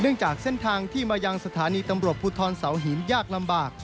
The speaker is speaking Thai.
จากเส้นทางที่มายังสถานีตำรวจภูทรเสาหินยากลำบาก